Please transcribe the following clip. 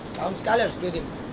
setahun sekali harus kirim